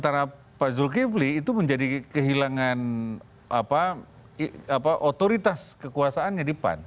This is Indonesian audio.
karena pak zulkifli itu menjadi kehilangan otoritas kekuasaannya di pan